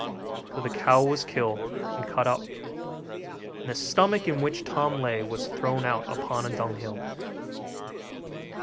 So the cow was killed, and cut up; and the stomach, in which Tom lay, was thrown out upon a dunghill.